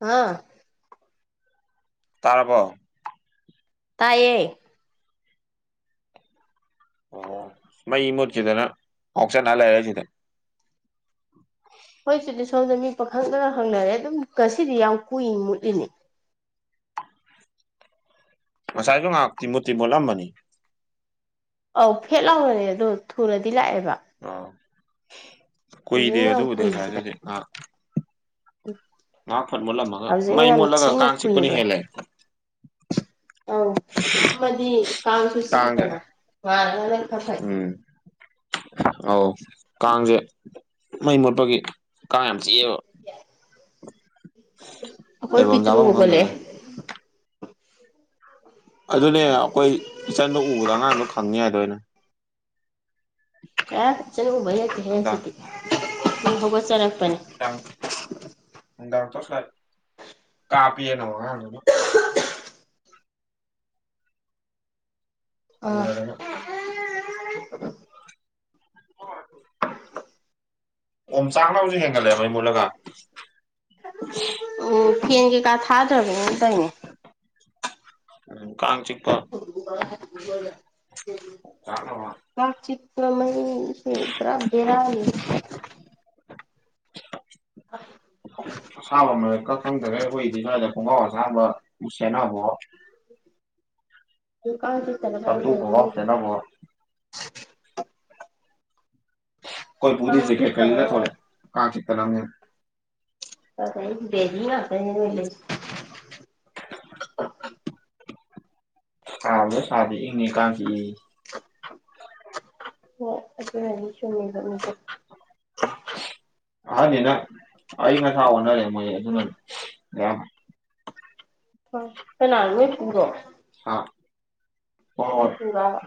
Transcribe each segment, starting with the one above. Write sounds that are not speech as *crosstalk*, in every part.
ꯑ ꯇꯔꯥꯕꯣ ꯇꯥꯏꯌꯦ ꯑꯣ ꯃꯩ ꯃꯨꯠꯈꯤꯗꯅ ꯉꯥꯎꯆꯠꯅꯔ ꯂꯩꯔ ꯁꯤꯗ ꯍꯣꯏꯁꯨꯗꯤ ꯁꯣꯝꯗ ꯃꯤ ꯄꯥꯈꯪꯗꯅ ꯍꯪꯅꯔꯦ ꯑꯗꯨꯝ ꯉꯁꯤꯗꯤ ꯌꯥꯝ ꯀꯨꯏ ꯃꯨꯠꯂꯤꯅꯤ ꯉꯁꯥꯏꯒ ꯉꯍꯥꯛꯇꯤ ꯃꯨꯇꯤ ꯃꯣꯜꯂꯝꯝꯕꯅꯤ꯫ ꯑꯧ ꯐꯦꯠ ꯂꯥꯎꯅꯅꯦ ꯑꯗꯣ ꯊꯨꯅꯗꯤ ꯂꯥꯛꯑꯦꯕ ꯑꯥꯎ ꯀꯨꯏꯗꯦ ꯍꯧꯖꯤꯛꯅ ꯌꯥꯝ ꯑꯗꯨꯕꯨꯗꯤ ꯉꯁꯥꯏ ꯑꯗꯨꯗꯤ ꯑꯥ ꯎꯝ ꯉꯍꯥꯛ ꯐꯠ ꯃꯨꯠꯂꯝꯃꯒ ꯃꯩ ꯃꯨꯠꯂꯒ ꯀꯥꯡ ꯆꯤꯛꯄꯅ ꯀꯨꯏꯔꯦ ꯍꯦꯜꯂꯦ ꯑꯧ ꯃꯝꯃꯗꯤ ꯀꯥꯡꯁꯨ ꯀꯥꯡꯁꯦ ꯁꯤꯛꯏꯗꯅ ꯉꯥꯟꯂ ꯈꯔ ꯐꯩ ꯎꯝ *unintelligible* ꯑꯧ ꯀꯥꯡꯖꯦ ꯃꯩ ꯃꯨꯠꯄꯒꯤ ꯀꯥꯡ ꯌꯥꯝ ꯆꯤꯑꯦꯕ ꯑꯩꯈꯣꯏ ꯂꯩꯕꯝ ꯄꯤꯇ꯭ꯔꯨ ꯆꯥꯕꯝ ꯈꯪꯗꯒꯩ ꯍꯧꯒꯠꯂꯛꯑꯦ ꯑꯗꯨꯅꯦ ꯑꯩꯈꯣꯏ ꯏꯆꯟꯗꯣ ꯎꯕꯗ ꯑꯉꯥꯡꯗꯣ ꯈꯪꯅꯤ ꯍꯥꯏꯗꯣ ꯑꯩꯅ ꯑꯦ ꯀꯤꯠꯆꯟꯒꯨꯝꯕꯒꯤ ꯅꯨꯡꯗꯥꯡ ꯅꯠꯇꯦꯍꯦꯁꯤꯗꯤ ꯗꯨꯝ ꯍꯧꯒꯠꯆꯔꯛꯄꯅꯦ *unintelligible* ꯅꯨꯡꯗꯥꯡ ꯇꯣꯁꯂꯥꯏꯠ ꯀꯥꯞꯄꯦꯅ *unintelligible* ꯑꯥ ꯑꯣꯅꯔꯥ ꯑꯣꯝ ꯆꯥꯛꯅꯕꯨꯁꯨ ꯍꯦꯟꯒꯠꯂꯦ ꯃꯩ ꯃꯨꯂꯒ ꯎꯝ ꯐꯦꯟ ꯀꯩꯀꯥ ꯊꯥꯗ꯭ꯔꯥꯅꯤꯅ ꯇꯧꯋꯤꯅꯦ ꯎꯝ ꯀꯥꯡꯆꯤꯛ ꯆꯥꯛꯅꯕ ꯀꯥꯡ ꯆꯤꯛꯄ ꯃꯩ ꯎꯝ ꯄꯨꯔꯥ ꯕꯦꯔꯥꯅꯤ *unintelligible* *unintelligible* ꯈꯪꯗꯔꯦ ꯑꯩꯈꯣꯏꯗꯤ ꯁꯋꯥꯏꯗ ꯈꯣꯡꯒꯥꯎ ꯑꯁꯥꯡꯕ ꯎ ꯁꯦꯠꯅꯕꯑꯣ *unintelligible* ꯀꯥꯡ ꯆꯤꯛꯇꯅꯕꯅ ꯇꯝꯇꯨ ꯈꯣꯡꯒ꯭ꯔꯥꯎ ꯇꯧꯕꯅꯦ ꯁꯦꯠꯅꯕꯣ ꯈꯣꯏ ꯄꯨꯗꯤ ꯖꯦꯀꯦꯠꯀꯥ ꯂꯤꯠꯂ ꯊꯣꯛꯂꯛꯑꯦ ꯀꯥꯡ ꯆꯤꯛꯇꯅꯝꯅꯦ *unintelligible* ꯕꯦꯕꯤꯅ ꯑꯝꯇꯪ ꯏꯔꯣꯏꯒꯦꯁꯦ *unintelligible* ꯑꯣ ꯑꯗꯨꯅꯗꯤ ꯆꯨꯝꯃꯦꯕ ꯃꯣꯏꯗꯣ ꯑꯍꯟꯅꯤꯅ ꯑꯌꯪ ꯑꯁꯥ ꯑꯣꯟꯅꯔꯦ ꯃꯣꯏꯖꯦ ꯑꯗꯨꯅꯅꯦ ꯑꯌꯥꯝꯕꯅ ꯍꯣꯏ ꯀꯅꯥ ꯅꯣꯏ ꯄꯨꯔꯣ ꯍꯥ ꯍꯣ ꯍꯣ ꯅꯣꯏ ꯄꯨꯔꯕ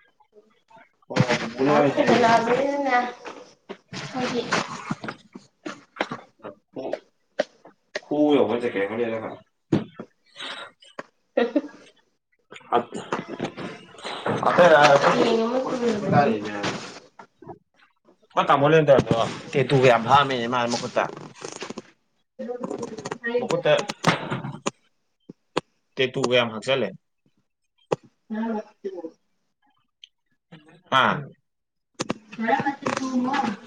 *unintelligible* ꯈꯨꯌꯧꯕ ꯖꯦꯀꯦꯠ ꯑꯃ ꯂꯤꯠꯂꯒ *unintelligible* ꯑꯠ ꯑꯇꯩ ꯍꯥ ꯑꯩꯈꯣꯏ ꯄꯨ ꯆꯦꯡ ꯑꯃ ꯑꯩꯈꯣꯏ ꯄꯨꯒ ꯇꯨꯔꯕꯅꯤ ꯂꯥꯏꯔꯤꯅꯦ ꯃꯥ ꯇꯥꯃꯣ ꯂꯩꯔꯝꯗꯕꯗꯣ ꯇꯦꯇꯨ ꯒ ꯌꯥꯝ ꯈꯛꯑꯝꯃꯦꯅꯦ ꯃꯥ ꯃꯈꯨꯠꯇ *inaudible* ꯃꯈꯨꯠꯇ *unintelligible* ꯇꯦꯇꯨꯒ ꯌꯥꯝ ꯍꯛꯆꯟꯂꯦ *unintelligible* ꯍꯥ *inaudible* *inaudible*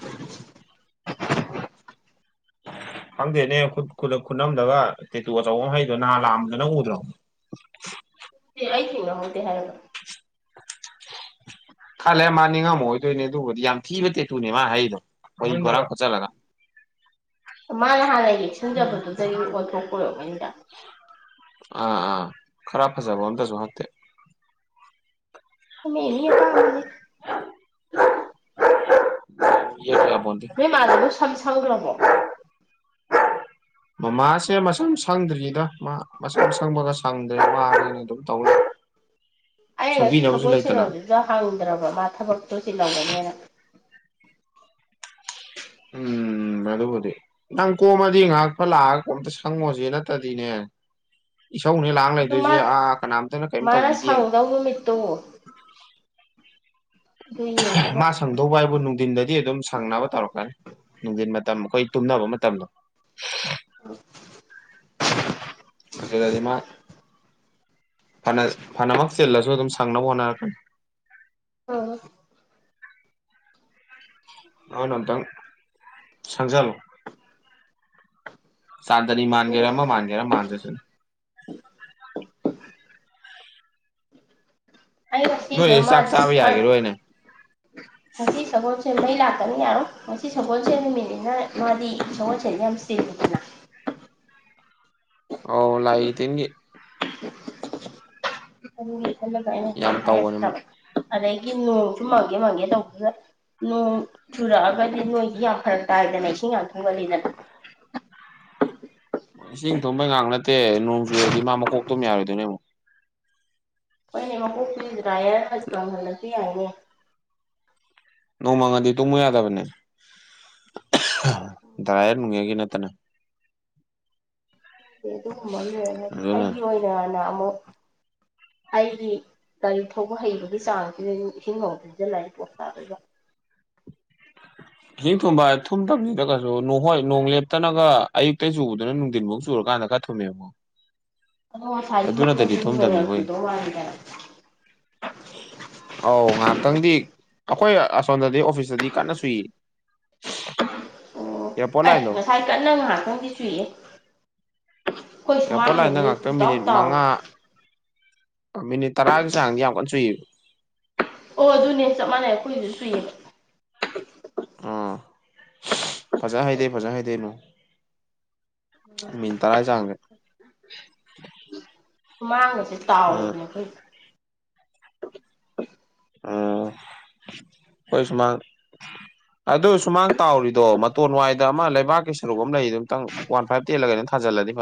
ꯈꯪꯗꯦꯅꯦꯠ *unintelligible* ꯈꯨꯠꯅꯝꯗꯒ ꯇꯦꯇꯨ ꯑꯆꯧꯕ ꯑꯃ ꯍꯛꯏꯗꯣ ꯅꯍꯥꯟ ꯂꯥꯛꯑꯕꯗꯣ ꯅꯪ ꯎꯗ꯭ꯔꯣ ꯑꯩꯊꯦꯡꯅꯍꯧꯗꯦ ꯍꯥꯏꯔꯅ ꯈꯂꯦꯔ ꯃꯥ ꯅꯤꯉꯝꯃ ꯑꯣꯏꯗꯣꯏꯅꯦ ꯑꯗꯨꯕꯨꯗꯤ ꯌꯥꯝ ꯊꯤꯕ ꯇꯦꯇꯨꯅꯦ ꯃꯥ ꯍꯥꯛꯏꯗꯣ ꯑꯩ ꯕꯣꯔꯥ ꯈꯣꯠꯆꯜꯂꯒ ꯃꯥꯅ ꯍꯥꯟꯅ ꯌꯦꯛꯁꯤꯟꯖꯕꯗꯨꯗꯒꯤ ꯑꯣꯟꯊꯣꯛꯄ ꯑꯣꯏꯔꯝꯒꯅꯤꯗ ꯑꯥ ꯑꯥ ꯈꯔꯐꯖꯕ ꯑꯝꯇꯁꯨ ꯍꯛꯇꯦ ꯃꯤꯃꯤ ꯑꯄꯥꯝꯕꯅꯤ ꯌꯣ *inaudible* ꯅꯣꯏ ꯃꯥꯗꯨꯕꯨ ꯁꯝ ꯁꯪꯈ꯭ꯔꯕꯣ ꯃꯃꯥꯁꯦ ꯃꯁꯝ ꯁꯪꯗ꯭ꯔꯤꯗ ꯃꯥ ꯃꯁꯝ ꯁꯪꯕꯒ ꯁꯪꯗ꯭ꯔꯦ ꯃꯥ *inaudible* ꯇꯧꯂꯩ ꯑꯩꯅ ꯉꯁꯤ ꯁꯦꯝꯕꯤꯅꯕꯁꯨ ꯁꯒꯣꯜ ꯂꯩꯇꯅ *inaudible* ꯍꯪꯗ꯭ꯔꯕ ꯃꯥ ꯊꯕꯛꯇꯨ ꯆꯤꯜꯂꯝꯒꯅꯤꯅ ꯎꯝ ꯑꯗꯕꯨꯗꯤ ꯅꯪ ꯀꯣꯝꯃꯗꯤ ꯉꯥꯏꯍꯥꯛꯐꯠ ꯂꯥꯛꯑꯒ ꯀꯣ ꯑꯝꯇ ꯁꯪꯉꯣꯁꯤꯍꯦ ꯅꯠꯇꯗꯤꯅꯦ ꯏꯁꯧꯅꯦ ꯂꯥꯡ ꯑꯗꯣ ꯂꯩꯗꯣꯏꯁꯦ ꯑꯥ ꯀꯅꯥꯝꯇꯅ ꯀꯔꯤꯝ ꯇꯧꯕꯤꯗꯦꯅ *inaudible* ꯇꯨꯝꯃꯨ ꯌꯦꯡꯉꯒ ꯃꯥ ꯁꯪꯗꯧꯕ ꯍꯥꯏꯕꯨ ꯅꯨꯡꯗꯤꯟꯗꯗꯤ ꯑꯗꯨꯝ ꯁꯪꯅꯕ ꯇꯧꯔꯛꯀꯅꯤ ꯅꯨꯡꯗꯤꯟ ꯃꯇꯝ ꯑꯩꯈꯣꯏ ꯇꯨꯝꯅꯕ ꯃꯇꯝꯗꯣ *unintelligible* ꯑꯗꯨꯗꯗꯤ ꯃꯥꯅ ꯐꯅ ꯐꯅꯃꯛ ꯆꯤꯜꯂꯁꯨ ꯑꯗꯨꯝ ꯁꯪꯅꯕ ꯍꯣꯠꯅꯔꯛꯀꯅꯤ ꯑ ꯑꯅꯇꯪ ꯁꯪꯖꯜꯣ ꯆꯥꯟꯗꯅꯤ ꯃꯥꯟꯒꯦꯔ ꯑꯃ ꯃꯥꯟꯒꯦꯔ ꯃꯥꯥꯟꯖꯁꯅꯨ ꯑꯩ ꯅꯣꯏ ꯉꯁꯤꯗꯣ ꯆꯥꯛ ꯃꯥꯗꯤ ꯆꯥꯕ ꯊꯥꯔꯠ ꯌꯥꯒꯤꯔꯣꯏ ꯅꯦ ꯉꯁꯤ ꯁꯒꯣꯜꯁꯦ ꯃꯩ ꯂꯥꯛꯇꯃꯤꯅ ꯉꯁꯤ ꯁꯒꯣꯜꯁꯦ ꯅꯨꯃꯤꯠꯅꯤꯅ ꯃꯥꯗꯤ ꯁꯒꯣꯜꯁꯦꯗꯤ ꯌꯥꯝ *inaudible* ꯑꯣ ꯂꯥꯏꯒꯤ ꯇꯤꯟꯒꯤ ꯑꯗꯨꯒꯤ ꯈꯜꯂꯒ ꯑꯩꯅ ꯌꯥꯝ ꯇꯧꯕꯅꯦ ꯃꯥ ꯍꯥꯏꯔꯛꯇꯕ ꯑꯗꯒꯤ ꯅꯣꯡꯁꯨ ꯃꯥꯡꯒꯦ ꯃꯥꯡꯒꯦ ꯇꯧꯕꯗ ꯅꯣꯡ ꯆꯨꯔꯛꯑꯒꯗꯤ ꯅꯣꯏꯗꯤ ꯌꯥꯝ ꯐꯔꯛ ꯇꯥꯏꯗꯅ ꯏꯁꯤꯡ ꯌꯥꯝ ꯊꯨꯝꯒꯜꯂꯤꯗꯅ ꯏꯁꯤꯡ ꯊꯨꯝꯕꯩ ꯉꯥꯛ ꯅꯠꯇꯦ ꯅꯣꯡ ꯆꯨꯔꯗꯤ ꯃꯥ ꯃꯀꯣꯛ ꯇꯨꯝꯕ ꯌꯥꯔꯣꯏꯗꯣꯏꯅꯦ ꯑꯃꯨꯛ ꯍꯣꯏꯅꯦꯕ ꯃꯀꯣꯛ ꯇꯨꯗꯤ ꯗ꯭ꯌꯥꯔ ꯐꯠ ꯀꯪꯍꯜꯂꯁꯤ ꯌꯥꯏꯅꯦ ꯅꯣꯡꯃꯥꯡꯉꯗꯤ ꯇꯨꯝꯃꯨ ꯌꯥꯗꯕꯅꯦ *unintelligible* ꯗ꯭ꯌꯥꯔ ꯅꯨꯡꯌꯔꯒꯤ ꯅꯠꯇꯅ ꯑꯗꯨꯒꯨꯝꯕ ꯑꯃ ꯂꯩꯔꯝ ꯑꯗꯨꯅꯅꯦ ꯑꯩꯒꯤ ꯑꯣꯏꯅꯅ ꯑꯃꯨꯛ ꯑꯩꯒꯤ ꯒꯥꯔꯤ ꯊꯧꯕ ꯍꯩꯕꯒꯤ ꯆꯥꯡꯁꯤꯅꯖꯨ ꯏꯁꯤꯡ ꯑꯃꯨꯛ ꯐꯨꯖꯤꯜ ꯂꯗꯤ ꯄꯣꯠ ꯇꯥꯗꯣꯏꯕ *unintelligible* ꯏꯁꯤꯡ ꯊꯨꯝꯕꯥ ꯍꯥꯏ ꯊꯨꯝꯇꯃꯤꯗꯀꯩꯁꯨ ꯅꯣꯡ ꯍꯣꯏ ꯅꯣꯡ ꯂꯦꯞꯇꯅꯒ ꯑꯌꯨꯛꯇ ꯆꯨꯕꯗꯨꯅ ꯅꯨꯡꯊꯤꯟꯐꯧ ꯆꯨꯔꯀꯥꯟꯗ ꯀ ꯊꯃꯦꯕꯨ *inaudible* ꯑꯧ ꯉꯍꯥꯛꯇꯪꯗꯤ ꯑꯩꯈꯣꯏ ꯑꯁꯣꯝꯗꯗꯤ ꯑꯣꯐꯤꯁꯇꯗꯤ ꯀꯟꯅ ꯆꯨꯏꯌꯦ ꯑꯣ ꯌꯥꯄꯣꯠ ꯑꯦ ꯂꯥꯏꯗꯣ ꯉꯁꯥꯏ ꯀꯟꯅ ꯉꯥꯏꯍꯥꯛꯇꯪꯗꯤ ꯆꯨꯏꯌꯦ ꯑꯩꯈꯣꯏ ꯑꯦꯌꯥꯔꯄꯣꯔꯠ ꯂꯥꯏꯟꯗ ꯁꯨꯃꯥꯡꯒꯁꯦ ꯉꯥꯛꯇꯪ ꯄꯨꯡ ꯇꯥꯎ ꯃꯤꯅꯤꯠ ꯇꯥꯎꯏ ꯃꯉꯥ ꯃꯤꯅꯤꯠ ꯇꯔꯥꯒꯤ ꯆꯥꯡꯗꯤ ꯌꯥꯝ ꯀꯟꯅ ꯁꯨꯏꯌꯦꯕ ꯑꯣ ꯑꯗꯨꯅꯦ ꯆꯞ ꯃꯥꯟꯅꯩ ꯑꯩꯈꯣꯏꯁꯨ ꯆꯨꯏꯌꯦꯕ ꯑꯥ ꯐꯖ ꯍꯩꯗꯩ ꯐꯖ ꯍꯩꯗꯧ ꯅꯣꯡ ꯃꯤꯅꯠ ꯇꯔꯥ ꯆꯥꯡꯖꯦ ꯁꯨꯃꯥꯡꯒꯖꯦ ꯑꯥ ꯇꯥꯎꯔꯤꯕꯅꯦ ꯑꯩꯈꯣꯏꯗꯤ ꯑꯣ ꯑꯩꯈꫭꯏ ꯁꯨꯃꯡ ꯑꯗꯨ ꯁꯨꯃꯥꯡ ꯇꯥꯎꯔꯤꯗꯣ ꯃꯇꯣꯟ ꯋꯥꯏꯗ ꯑꯃ ꯂꯩꯕꯥꯛꯀꯤ ꯁꯔꯨꯛ ꯑꯃ ꯂꯩꯔꯤꯗꯨꯝꯇꯪ ꯋꯥꯟ ꯐꯥꯏꯚ ꯇꯦꯜꯂ ꯀꯩꯅꯣ ꯊꯥꯖꯜꯂꯗꯤ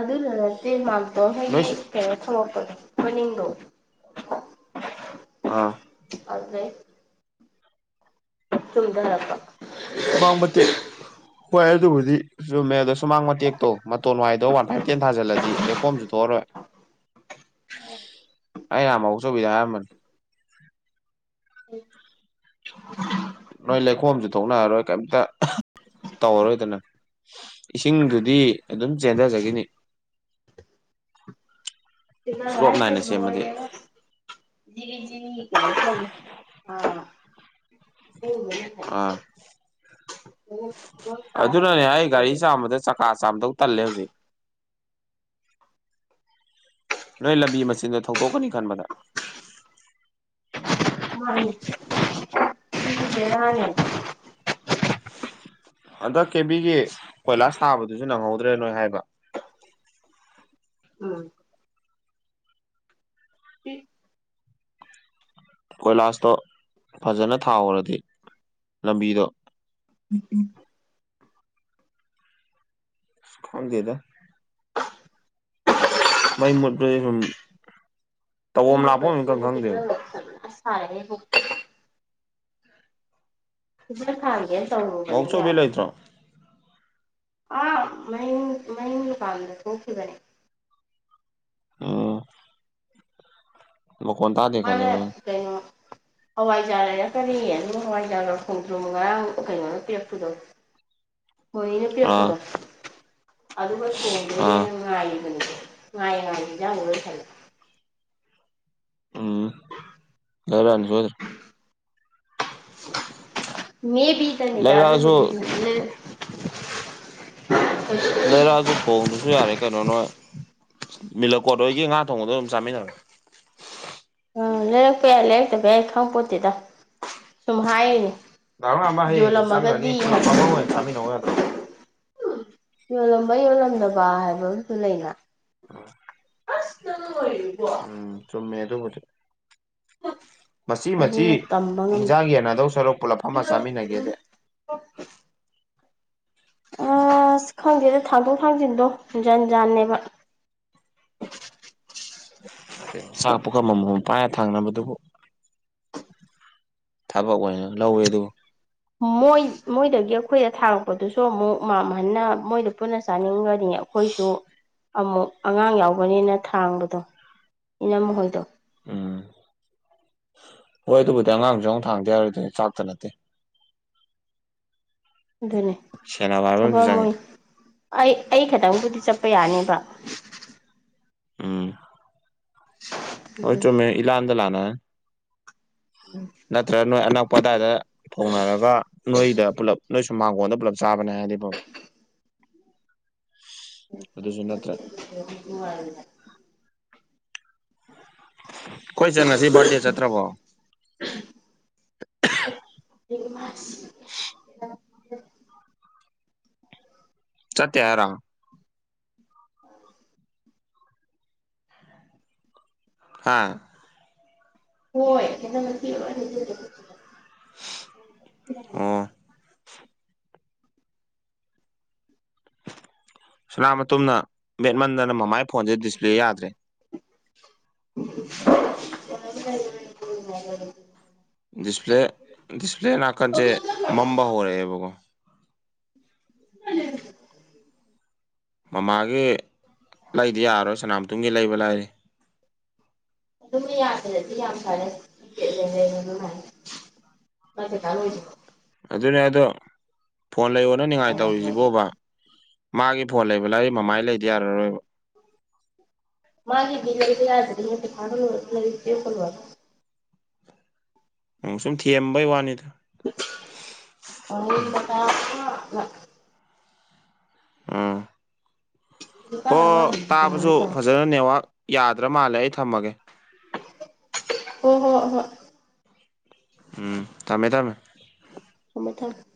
ꯑꯗꯨꯗꯥ ꯅꯠꯇꯦ ꯃꯥꯝꯇꯣꯜ ꯅꯣꯏ ꯍꯣꯏꯒꯤ ꯀꯩꯅꯣ ꯊꯪꯃꯛꯄꯗꯣ ꯃꯅꯤꯡꯗꯣ ꯑꯥ ꯑꯗꯨꯗꯩꯩ ꯆꯨꯝꯗꯥꯔꯛꯄ ꯁꯨꯃꯥꯡ ꯃꯇꯦꯛ ꯍꯣꯏ ꯑꯗꯨꯕꯨꯗꯤ ꯆꯨꯝꯃꯦ ꯑꯗꯣ ꯁꯨꯃꯥꯡ ꯃꯇꯦꯛ ꯇꯣ ꯃꯇꯣꯟ ꯋꯥꯏꯗꯣ ꯋꯥꯟ ꯐꯥꯏꯚ ꯇꯦꯟ ꯊꯥꯖꯤꯜꯂꯗꯤ ꯂꯩꯈꯣꯝꯖꯨ ꯊꯣꯛ ꯑꯔꯣꯏ ꯑꯩ ꯉꯍꯟ ꯃꯕꯣꯛꯆꯧꯕꯤꯗꯥ ꯍꯥꯏꯔꯝꯕꯅꯤ *unintelligible* ꯅꯣꯏ ꯂꯩꯈꯣꯝꯖꯨ ꯊꯣꯛꯅꯔꯔꯣꯏ ꯀꯩꯝꯇ ꯇꯧꯔꯔꯣꯏꯗꯅ ꯏꯁꯤꯡꯗꯨꯗꯤ ꯑꯗꯨꯝ ꯆꯦꯟꯊꯖꯒꯤꯅꯤ ꯆꯦꯟꯗꯕ ꯍꯥꯏꯖꯦ ꯂꯣꯏꯔꯦꯗꯥ *unintelligible* ꯑꯥ ꯐꯤꯕꯝ ꯇꯥꯔꯕ ꯑꯗꯨꯅꯅꯦ ꯑꯗꯨ ꯑꯩ ꯒꯥꯔꯤ ꯑꯣꯏꯔꯦꯕ ꯆꯥꯝꯕꯗ ꯆꯛ ꯀꯥ ꯆꯥꯝꯗꯧ ꯇꯜꯂꯦ ꯍꯧꯖꯤꯛ ꯅꯣꯏ ꯂꯝꯕꯤ ꯃꯆꯤꯟꯗꯣ ꯊꯧꯗꯣꯛꯀꯅꯤ ꯈꯟꯕꯗ ꯃꯟꯅꯦ ꯑꯗꯨꯖꯨ ꯕꯦꯔꯥꯅꯦ ꯍꯟꯗꯛ ꯀꯦꯕꯤꯒꯤ ꯀꯣꯏꯂꯥꯁ ꯁꯥꯕꯗꯨꯖꯨ ꯅꯪꯍꯧꯗ꯭ꯔꯦ ꯅꯣꯏ ꯍꯥꯏꯕ ꯎꯝ ꯑꯦ ꯀꯣꯏꯂꯥꯁꯇꯣ ꯐꯖꯅ ꯊꯥꯎꯍꯧꯔꯗꯤ ꯂꯝꯕꯤꯗꯣ ꯎꯝ ꯈꯪꯗꯦꯗ ꯃꯩ ꯃꯨꯠꯄꯥꯖꯦ ꯁꯨꯝ ꯃꯩ ꯇꯧꯐꯝ ꯂꯥꯛꯐꯝ ꯑꯃ ꯃꯨꯠꯄꯥꯖꯤꯗ ꯏꯈꯪ ꯈꯪꯗꯦꯕ ꯀꯦꯟꯗꯜꯒꯥꯖꯦ ꯁꯥꯕꯅꯠ ꯁꯥꯏꯍꯦ ꯏꯕꯣ ꯀꯦꯟꯗꯜ ꯊꯟꯒꯦ ꯇꯧꯔꯨꯕꯅꯦ ꯃꯧꯆꯧꯕꯤ ꯌꯥꯗꯦ ꯂꯩꯇ꯭ꯔꯣ ꯑꯥ ꯃꯌꯨꯝ ꯃꯌꯨꯝꯒꯤ ꯃꯄꯥꯟꯗꯥ ꯊꯣꯛꯈꯤꯕꯅꯦ ꯑꯣ ꯃꯈꯣꯟ ꯇꯥꯗꯦ ꯃꯥꯅ ꯈꯜꯂꯦꯕ ꯀꯩꯅꯣ ꯍꯋꯥꯏꯖꯥꯔ ꯂꯩꯔꯛꯀꯅꯤꯌꯦ ꯅꯨꯡ ꯍꯋꯥꯏꯖꯥꯔ ꯂꯣꯟꯊꯣꯛꯇꯔꯣ ꯉꯔꯥꯡ ꯀꯩꯅꯣꯅꯥ ꯄꯤꯔꯛꯄꯗꯣ *inaudible* ꯊꯣꯏꯅꯥ ꯑꯥ ꯄꯤꯔꯛꯄꯗꯣ ꯑꯗꯨꯒ ꯑꯥ ꯊꯣꯡꯗꯣꯏꯅꯦꯅ ꯉꯥꯏꯔꯤꯕꯅꯦ ꯉꯥꯏ ꯉꯥꯏ ꯍꯤꯟꯖꯡꯐꯥꯎ ꯂꯣꯏꯁꯤꯟꯂꯛ ꯑꯦ ꯎꯝ ꯂꯩꯔꯛ ꯑꯅꯤ ꯁꯣꯏꯗ꯭ꯔꯦ ꯃꯦ ꯕꯤ ꯗꯥꯅꯤꯗ ꯂꯩꯔꯛꯑꯁꯨ ꯑꯗꯨꯕꯨꯗꯤ *unintelligible* ꯂꯩꯔꯛ ꯑꯖꯨ ꯊꯣꯡꯗ꯭ꯔꯖꯨ ꯌꯥꯔꯦ ꯀꯩꯅꯣ ꯅꯣꯏ ꯅꯤꯜꯂꯀꯣꯠ ꯍꯣꯏꯒꯤ ꯉꯥ ꯊꯣꯡꯕꯗꯣ ꯑꯗꯨꯝ ꯆꯥꯃꯤꯟꯅꯔꯣ ꯑꯥ ꯂꯩꯔꯛꯄ ꯌꯥꯏ ꯂꯩꯔꯛꯇꯕ ꯌꯥꯏ ꯈꯪꯄꯣꯠꯇꯦꯗ ꯁꯨꯝ ꯍꯥꯏꯔꯤꯅꯤ ꯗꯥ ꯂꯝꯉꯥꯟꯕ ꯍꯌꯦꯡꯖꯨ ꯌꯣꯜꯂꯝꯃꯒꯗꯤ ꯆꯪꯈꯒꯔꯅꯤ ꯄꯨꯂꯞ ꯐꯝꯃꯥ ꯍꯥꯏꯕ ꯑꯣꯏꯅ ꯆꯥꯃꯤꯟꯅꯧ ꯌꯥꯗ꯭ꯔꯣ ꯌꯣꯜꯂꯝꯕ ꯌꯣꯜꯂꯝꯗꯕ ꯍꯥꯏꯕ ꯑꯝꯖꯨ ꯂꯩꯅ ꯑꯣ ꯑꯁ ꯆꯠꯂꯣ ꯂꯣꯏꯔꯦ ꯢꯕꯣ ꯎꯝ ꯆꯨꯝꯃꯦ ꯑꯗꯨꯕꯨꯗꯤ ꯃꯆꯤ ꯃꯆꯤ ꯑꯗꯨꯅ ꯇꯝꯕ ꯉꯝꯗꯦ ꯍꯤꯟꯖꯥꯡ ꯌꯦꯟꯅꯗꯧ ꯁꯔꯨꯛ ꯄꯨꯂꯞ ꯐꯝꯃ ꯆꯥꯃꯤꯟꯅꯒꯦꯗꯦ *unintelligible* ꯑꯁ ꯈꯪꯗꯦꯗ ꯊꯥꯡꯗꯣꯛ ꯊꯥꯡꯖꯤꯟꯗꯣ ꯖꯟ ꯖꯥꯟꯅꯦꯕ ꯆꯥꯛ ꯄꯨꯈꯝ ꯑꯃꯝ ꯃꯝ ꯄꯥꯏꯔ ꯊꯥꯡꯅꯕꯗꯨꯕꯨ ꯊꯕꯛ ꯑꯣꯏꯅ ꯂꯧꯋꯤ ꯑꯗꯨ ꯃꯣꯏ ꯃꯣꯏꯗꯒꯤ ꯑꯩꯈꯣꯏꯗ ꯊꯥꯡꯉꯛꯄꯗꯨꯁꯨ ꯑꯃꯨꯛ ꯃꯝꯍꯟꯅ ꯃꯣꯏꯗ ꯄꯨꯟꯅ ꯆꯥꯅꯤꯡꯒꯅꯤ ꯑꯩꯈꯣꯏꯁꯨ ꯑꯃꯨꯛ ꯑꯉꯥꯡ ꯌꯥꯎꯕꯅꯦꯅ ꯊꯥꯡꯕꯗꯣ ꯏꯅꯝꯃ ꯍꯣꯏꯗꯣ ꯎꯝ ꯍꯣꯏ ꯑꯗꯨꯕꯨꯗꯤ ꯑꯉꯥꯡꯁꯨ ꯌꯥꯎꯅ ꯊꯥꯡꯗ ꯌꯥꯔꯣꯏꯗꯨꯗꯤ ꯆꯥꯛꯇ ꯅꯠꯇꯦ ꯑꯗꯨꯅꯤ ꯁꯦꯟꯅꯕ ꯍꯥꯏꯕ ꯑꯃꯖꯨ ꯆꯪꯉꯤ ꯑꯩ ꯑꯩ ꯈꯇꯪꯕꯨꯗꯤ ꯆꯠꯄ ꯌꯥꯅꯤꯕ ꯎꯝ ꯍꯣꯏ ꯆꯨꯝꯃꯦ ꯏꯂꯥꯟꯗ ꯂꯥꯟꯂꯦ ꯅꯠꯇ꯭ꯔꯒ ꯅꯣꯏ ꯑꯅꯛꯄ ꯑꯗꯥꯏꯗ ꯊꯣꯡꯅꯔꯒ ꯅꯣꯏꯗ ꯄꯨꯂꯞ ꯅꯣꯏ ꯁꯨ ꯃꯥꯡꯒꯣꯟꯗ ꯄꯨꯂꯞ ꯆꯥꯕꯅꯦ ꯍꯥꯏꯔꯗꯤ ꯐꯥꯕ ꯑꯗꯨꯁꯨ ꯅꯠꯇ꯭ꯔꯦ *inaudible* *unintelligible* ꯑꯈꯣꯏ ꯆꯟ ꯉꯁꯤ ꯕꯥꯔꯗꯦ ꯆꯠꯇ꯭ꯔꯕꯣ *inaudible* ꯆꯠꯇꯦ ꯍꯥꯏꯔꯣ *inaudible* ꯍꯥ ꯍꯣꯏ ꯀꯦꯟꯗꯜ ꯃꯊꯤꯒ ꯂꯣꯏ ꯍꯧꯖꯤꯟꯂꯦ ꯈꯨꯠ ꯑꯣ ꯁꯅꯥꯃꯇꯨꯝꯅ ꯃꯦꯠꯃꯟꯗꯅ ꯃꯃꯥꯏ ꯐꯣꯟꯁꯦ ꯗꯤꯁꯄ꯭ꯂꯦ ꯌꯥꯗ꯭ꯔꯦ *inaudible* *inaudible* ꯗꯤꯁꯄ꯭ꯂꯦ ꯗꯤꯁꯄ꯭ꯂꯦ ꯅꯥꯀꯟꯁꯦ ꯃꯝꯕ ꯍꯧꯔꯛꯑꯦꯕꯀꯣ *inaudible* ꯃꯃꯥꯒꯤ ꯂꯩꯗ ꯌꯥꯔꯣꯏ ꯁꯅꯥꯃꯇꯨꯝꯒꯤ ꯂꯩꯕ ꯂꯥꯏꯔꯤ ꯑꯗꯨꯝ ꯌꯥꯗ꯭ꯔꯗꯤ ꯌꯥꯝ ꯐꯥꯔꯦ ꯀꯤꯄꯦꯠꯅ ꯍꯦꯟꯅ ꯅꯨꯡꯉꯥꯏ ꯃꯥ ꯄꯩꯈꯥ ꯂꯣꯏꯗ꯭ꯔꯤꯕꯧ ꯑꯗꯨꯅꯦ ꯑꯗꯣ ꯐꯣꯟ ꯂꯩꯌꯣꯅ ꯅꯤꯡꯉꯥꯏ ꯇꯧꯔꯤꯁꯤꯕꯣꯕ ꯃꯥꯒꯤ ꯐꯣꯟ ꯂꯩꯕ ꯂꯥꯏꯔꯤ ꯃꯃꯥꯏ ꯂꯩꯗ ꯌꯥꯔꯔꯣꯏꯕ ꯃꯥꯒꯤꯗꯤ ꯂꯩꯕ ꯌꯥꯗꯔꯤꯍꯦ ꯄꯩꯈꯥꯒ ꯂꯣꯏꯔ ꯂꯩꯌꯣ ꯇꯨꯋꯦꯜꯀ ꯂꯣꯏꯔꯒ ꯎꯝ ꯁꯨꯝ ꯊꯦꯝꯕꯩ ꯋꯥꯅꯤꯗ *inaudible* ꯎꯝ ꯍꯧꯖꯤꯛꯀꯥꯟ ꯍꯣ ꯑꯉꯥꯡꯁꯤꯡꯁꯦ ꯇꯥꯕꯁꯨ ꯀꯃꯥꯏꯅ ꯇꯧꯋꯤ ꯐꯖꯅ ꯅꯦꯠꯋꯥꯛ ꯌꯥꯗ꯭ꯔꯥ ꯃꯥꯜꯂꯦ ꯑꯩ ꯊꯝꯃꯒꯦ ꯍꯣ ꯍꯣ ꯍꯣꯏ ꯎꯝ ꯊꯝꯃꯦ ꯊꯝꯃꯦ *unintelligible*